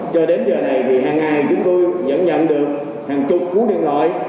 cho đến giờ này thì hàng ngày chúng tôi nhận nhận được hàng chục cuốn điện thoại